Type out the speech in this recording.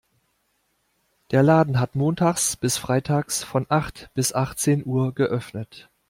Der Laden hat montags bis freitags von acht bis achtzehn Uhr geöffnet.